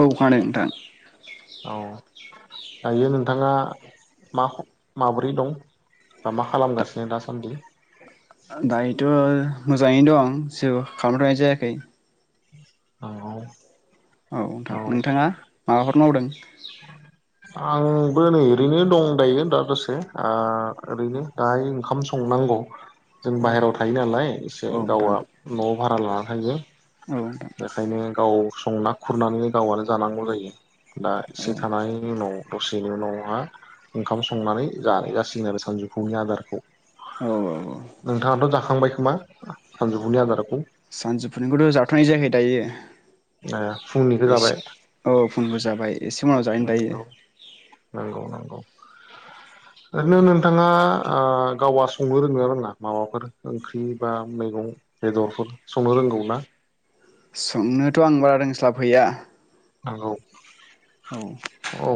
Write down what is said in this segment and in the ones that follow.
औ खोनादों नोंथां दायो नोंथाङा मा माब्रै दं? बा मा खालामगासिनो दासान्दि? दायोथ' मोजाङैनो दं जेबो खालामथ'नाय जायाखै औ औ नोंथां, नोंथाङा माबाफोर मावदों? आंबो नै ओरैनो दं दायो दा दसे अ' ओरैनो दाहाय ओंखाम संनांगौ जों बाहेराव थायो नालाय एसे गावआ न'आव भारा लानानै थायो बेखायनो गाव संना खुरनानैनो गावआनो जानांगौ जायो दा एसे थानायनि उनाव दसेनि उनावहा ओंखाम संनानै जानाय जासिगोन आरो सानजौफुनि आदारखौ नोंथाङाथ' जाखांबाय मा सानजौफुनि आदाराव सानजौफुनिखौथ' जाथ'नाय जायाखै दायो एस औ फुंखौ जाबाय एसे नंगौ नंगौ नंगौ। ओरैनो नों थाङा ओ गावास संनो रोंङोना रोङा माबाफोर ओंख्रि बा मैगं बेदरफोर संनो रोंगौ ना? संनोथ' आं बारा रोंस्लाबहैया। नंगौ। औ।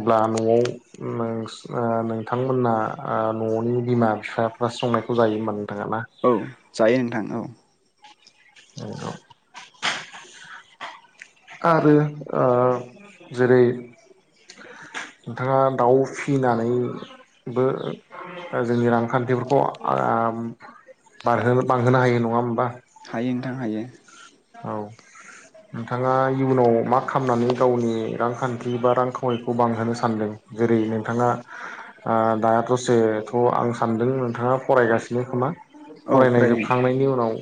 अब्ला न'आव नोंसिना ओ नोंथांमोना ओ न'नि बिमा बिफाफ्रा संनायखौ जायो माने। औ जायो नोंथां औ। औ [inaudible] आरो ओ जेरै नोंथाङा दाउ फिसिनानैबो जोंनि रांखान्थिफोरखौ आम बारहोनो बांहोनो हायो नङा होमबा। हायो नोंथां हायो। औ नोंथाङा इयुनाव मा खामनानै गावनि रांखान्थि बा रां खावरिखौ बांहोनो सानदों जेरै नोंथाङा ओ दा दसेथ' आं सानदों नोंथाङा फरायगासिनो खोमा। फरायनाय जोबखांनायनि उनाव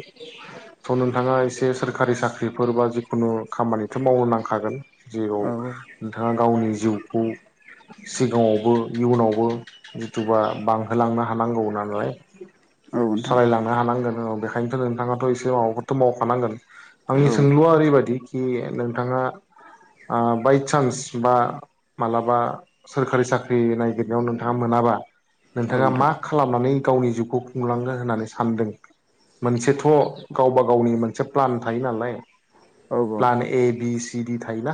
स' नोथाङा एसे दे सोरखारि साख्रिफोर बा जिखुनु खामानिथ' मावबो नांखागोन। जेव नोंथाङा गावनि जिउखौ सिगाङावबो इयुनावबो जिथुबा बांहोलांनो हानांगौ नालाय। सालायलांनो हानांगोन। औ बेखायनोथ' नोंथाङाथ' एसे माबाखौथ' मावखानांगोन। आंनि सोंलुआ ओरैबायदि खि नोंथाङा आ बायसान्स बा मालाबा सोरखारि साख्रि नागिरनायाव नोंथाङा मोनाबा। नोंथाङा मा खालामनानै गावनि जिउखौ खुंलानो होननानै सानदों मोनसेथ' गावबा गावनि मोनसे प्लान थायो नालाय प्लान ए बि सि दिडि थायोबा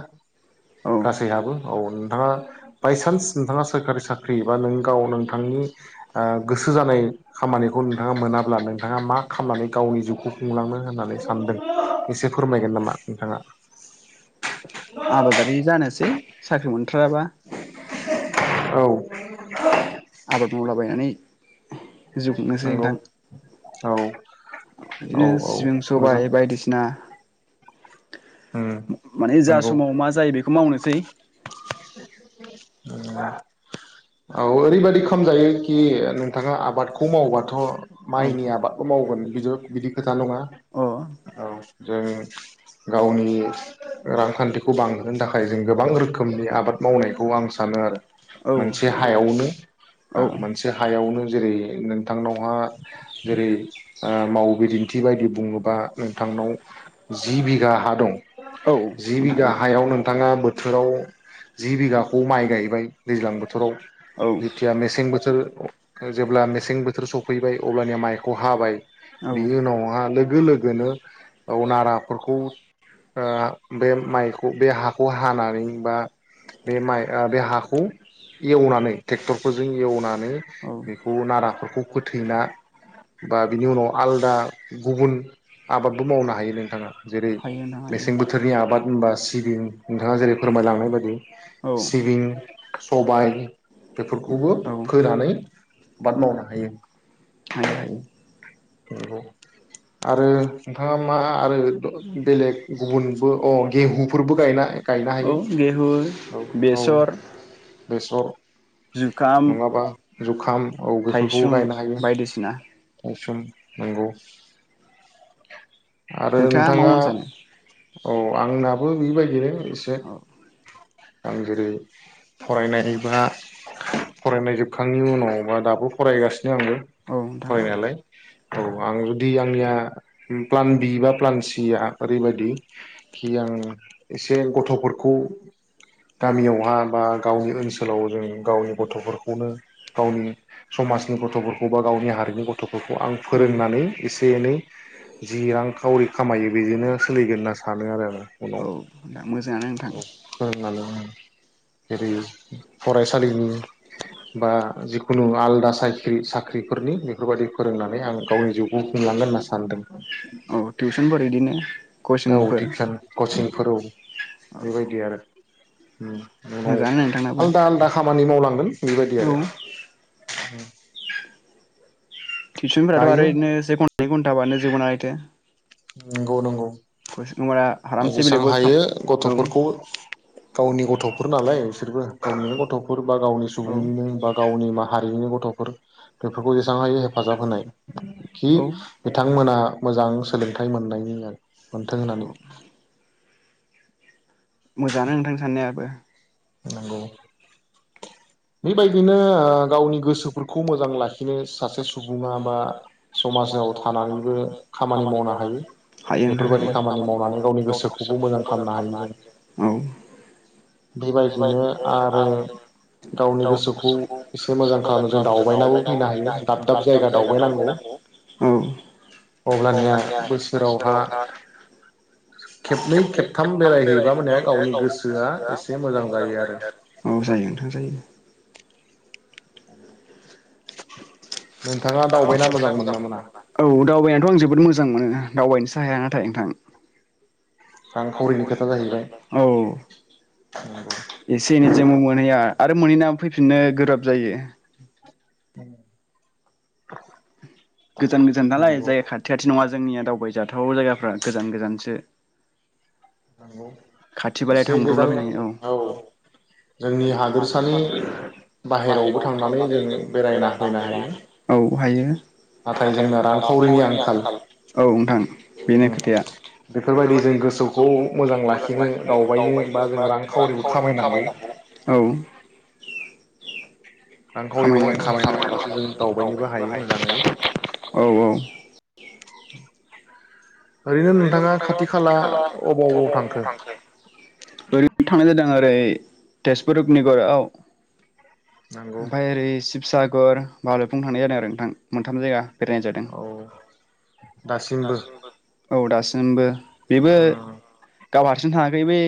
गासैहाबो औ नोंथाङा बायसान्स नोंथाङा सोरखारि साख्रि बा नों गाव नोंथांनि ओ गोसो जानाय खामानिखौ नोंथाङा मोनाब्ला नोंथाङा मा खालामनानै गावनि जिउखौ खुंलांनो होननानै सानदों एसे फोरमायगोन नामा नोंथाङा। आबादारि जानोसै। साख्रि मोनथाराबा। [inaudible] औ [inaudible] आबाद मावलाबायनानै जिउ खुंनोसै नोंथां। अ बिदिनो सिबिं सबाय बायदिसिना माने जा समाव मा जायो बेखौ मावनोसै। ओ औ ओरैबादि खमजायोखि नोंथाङा आबादखौ मावबाथ' माइनि आबादखौ मावगोन बिद बिदि खोथा नङा औ जों गावनि रांखान्थिखौ बांहोनो थाखाय जों गोबां रोखोमनि आबा मावनायखौ आं सानो आरो मोनसे हायावनो आ मोनसे हायावनो जेरै नोंथांनावहा जेरै ओ मावबिदिन्थि बायदि बुङोबा नोंथांनाव जि बिगा हा दं। जि बिगा हायाव नोंथाङा बोथोराव जि बिगाखौ माइ गायबाय दैज्लां बोथोराव जेथिया मेसें बोथोर जेब्ला मेसें बोथोर सफैबाय अब्लानिया माइखौ हाबाय बिनि उनावहा लोगो लोगोनो औ नाराफोरखौ ओ बे माइखौ बे हाखौ हानानै बा बे माइ ओ बे हाखौ एवनानै ट्रेक्टरफोरजों एवनानै बेखौ नाराफोरखौ फोथैना बा बिनि उनाव आलदा गुबुन आबादबो मावनो हायो नोंथाङा जेरै मेसें बोथोरनि आबाद होनबा सिबिं नोंथाङा जेरै फोरमायलांनाय बायद दि सिबिं सबाय बेफोरखौबो फोनानै आबाद मावनो हायो। नंगौ आरो नोंथाङा मा आरो बेलेग गुबुनबो अ गेहुफोरबो गायनाय। औ गेहु बेसर बेसर जुखाम जुखाम औ बेेफोरखौबो गायनो हायो। सुम नंगौ। आरो नोंथाङा औ। आंनाबो बिनिबायदिनो एसे आं जेरै फरायनायबा फरायनाय जोबखांनायनि उनावबा दाबो फरायगासिनो आंबो। फरायनायालाय। औ आं जुदि आंनिया प्लान बि बा प्लान सिया ओरैबायदि कि आं एसे गथ'फोरखौ गामियावहा बा गावनि ओनसोलाव जों गावनि गथ'फोरखौनो गावनि समाजनि गथ'फोरखौ बा गावनि हारिनि गथ'फोरखौ आं फोरोंनानै एसे एनै जि रांखावरि खामायो बेजोंनो सोलिगोन होनना सानो आरो आङो उनाव। मोजाङानो नोंथां। [unintelligible] जेरै फरायसालिनि बा जिखुनु आलदा साख्रि साख्रिफोरनि बेफोरबायदि फोरोंनानै आं गावनि जिउखौ खुंलांनो होनना सानदों। औ टिउसनफोर इदिनो कचिंफोर। फोरोउ बेबायदि ओम। उनाव आलदा आलदा खामानि मावलांगोन बेबायदि आरो [inaudible] टिउसनफोराथ आरो बे खन नै खन ताबानो जबोनायथो नंगौ नंगौ। खुस जेसेबां हायो गथ'फोरखौ गावनि गथ' फोर नालाय बिसोरबो गावनि गथ'फोर। बा गावनि सुबुंनि नो बा गावनि बा हारिमुनि गथ'फोर बेफोरखौ जेसेबां हायो हेफाजाब होनाय। कि बिथांमोना मोजां सोलोंथाइ मोननाय न मोन्थों होननानै मोजाङानो नोंथां साननायाबो नंगौ बेबायदिनो ओ गावनि गोसोफोरखौ मोजां लाखि नो सासे सुबुङा बा समाजाव थानानैबो खामानि मावनो हायो बेफोरबायाददि खामानि मावनानै गावनि गोसोखौबो मोजां खालामनो हायो जों बेबायदिनो आरो गावनि गोसोखौ एसे मोजां खालामनो जों दावबायनाबो फैनो हायो दाब दाब जायगा दावबायनांगौ अब्लानिया बोसोरावहा खेबनै खेबथाम बेरायहैब मानया गावनि गोसोआ औ जायो नोंथां जायो औ दावबायाथ' आं जोबोद मो जां मोनो दावबायनोसो हाया नाथाय नोंथां औ एसे एनै जोंबो मोनहैया आरो मोनै ना फैफिननो गोब्राब जायो [unintelligible] गोजान गोजान नालाय जाय खाथि खाथि नङा जोंनिया दावबायजाथाव जायगाफ्रा गोजान गोजानसो नोंगौ खाथिबालाय थांब्रबलाबाय औ औ हायो औ नोंथां बेनो खोथाया खौ मोजां मोजां लाखिनो दावबायनो बा जों रान खावरिखौ खाबायनांगौ औ औ औ [unintelligible] ओरैनो थांनाय जादों आरो ओरै तेजपुर अगनिगरआव ओमफफ्राय ओरै शिबसागर भालुकफुं थांनाय जादों आरो नोंथां मोनथाम जायगा औ दासिमबो औ दासिमबो बेबो गाव हारसिं थाङाखै बे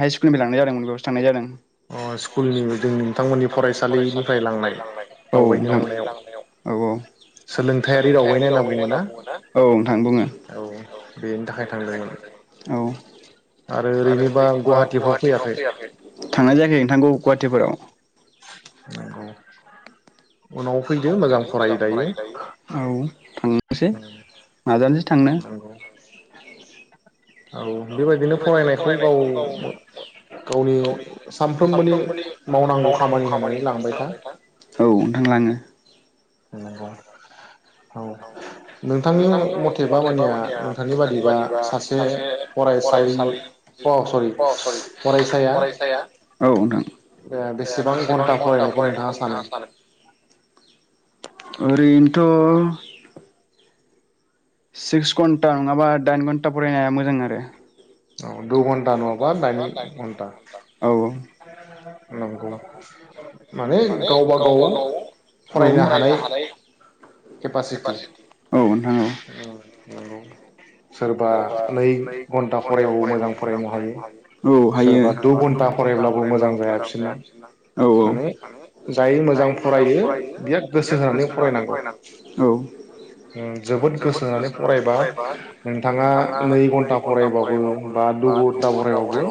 हाइ स्कुलनिफ्राय लांनाय जादोंमोन बेयावसो थांनाय जादों। औ नोंथां औ औ औ नोंथां बुङो। औ थांनाय जायाखै नोंथां गुवाहाटिफोराव। नंगौ औ थां निसै। [unintelligible] नंगौ औ बेबायदिनो फरायनायखौ गाव गावनि सानफ्रोमबोनि मावनांगौ खामानि होननानै लांबाय था। औ नोंथां लाङो। नंगौ। औ नोंथांनि मथेबा मानिया नोंथांनि बादिबा सासे फरायसालि सरि फरायसाया बेसेबां घन्टा फरायनायखौ नोंथाङा सानो? ओरैनोथ' सिक्स घन्टा नङाबा दाइन घन्टा फरायनाया मोजां आरो। औ द'घन्टा नङाबा दाइन घन्टा। [inaudible] नंगौ माने गावबा गाव फरायनो हानाय केपासिटि औ नंगौ। सोरबा नै घन्टा फरायबाबो मोजां फरायनो हायो सोरबा दु घन्टा [unintelligible] फरायब्लाबो मोजां जायो बिसोरना औ औ माने जाय मोजां फरायो बिराद गोसो होनानै फरायनांगौ औ जोबोद गोसो होनानै फरायबा नेंथाङा नै घन्टा फरायबाबो बा दु घन्टा फरायबाबो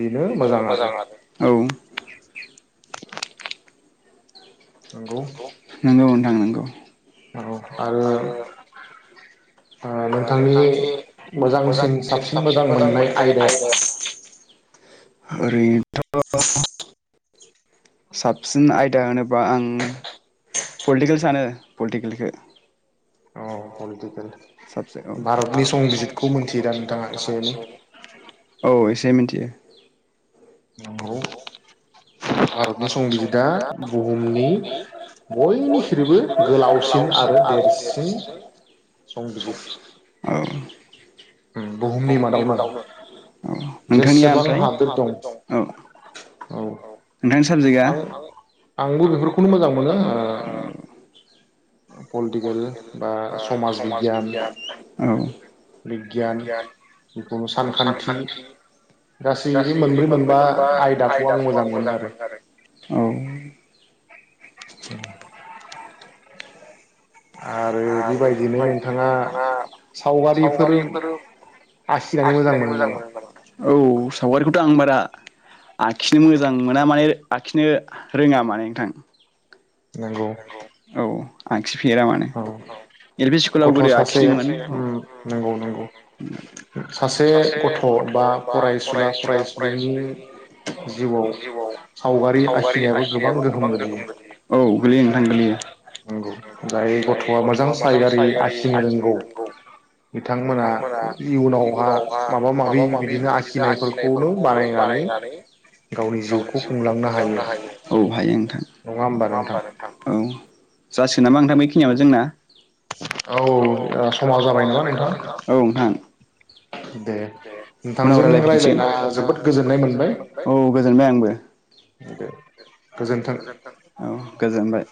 बेनो मोजां आरो। औ नंगौ। नंगौ नोंथां नंगौ। [inaudible] आरो नोंथांनि मोजांसिन साबसिन मोजां मोननाय आयदाया मा? ओरैनोथ' साबसिन आयदा होनोबा आं पलिटिकेल सानो पलिटिकेलखौ औ पलिटिकेल। साबसे औ। भारतनि संबिजितखौ मिथियोदा नोंथाङा एसे एनै? औ ए से मिन्थियो। औ भारतनि संबिजितआ बुहुमनि बयनिख्रुइबो गोलावसिन आरो देरसिन संबिजित बुहुमनि मादावनो जेसेबां हादोर दं औ आं आंबो बेफोरखौनो मोजां मोनो पलिटिकेल बा समाज बिगियान औ बिगियान बे सानखान्थि गासै मोनब्रै मोनबा आयदाखौ आं मोजां मोनो आरो औ औ आरो बेबायदिनो नोंथाङा सावगारिफोर आखिनानै मोजां मोनो नामा? औ सावगारिखौथ' आं बारा आखिनो मोजां मोना माने आखिनो रोङा माने नोंथां औ औ गथ' सासे ओम नंगौ नंगौ सासे गथ' बा फरायसुला फरायसुलिनि जिउआव सावगारि आखिनायाबो गोबां गोहोम गोग्लैयो। नंगौ जाय गथ'आ मोजां सायगारि आखिनो रोंगौ बिथांमोना इयुनावहा माबा माबि बिदिनो आखिनायफोरखौनो बानायनानै गावनि जिउखौ खुंलांनो हायो औ हायो नोंथां नङा होमबा नों [unintelligible] जासिगोन नामा नोंथां बेखिनियाबानो जोंना औ सम जाबाय नामा नोंथां औ नोंथां दे उनाव रायलायफिनसिगोन औ गोजोनबाय आंबो औ बाय